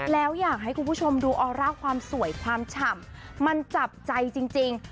แล้วอยากให้คุณผู้ชมดูออร่าความสวยความฉ่ำมันจับใจจริง